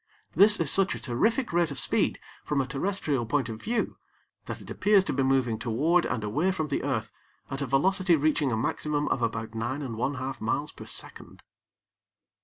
This is such a terrific rate of speed from a terrestrial point of view that it appears to be moving toward and away from the earth at a velocity reaching a maximum of about nine and one half miles per second.